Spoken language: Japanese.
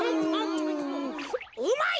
うまい！